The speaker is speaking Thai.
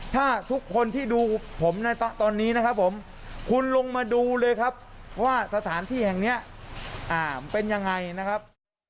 ถ้าทุกคนที่ดูผมในตอนนี้นะครับผมคุณลงมาดูเลยครับว่าสถานที่แห่งนี้เป็นยังไงนะครับ